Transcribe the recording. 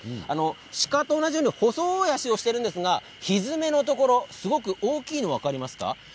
鹿と同じように細い足をしているんですがひづめのところすごく大きいのが分かりますか。